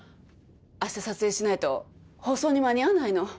あした撮影しないと放送に間に合わないの。